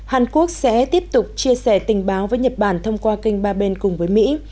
hàn quốc sẽ tiếp tục chia sẻ tình báo với nhật bản thông qua kênh ba bên cùng với mỹ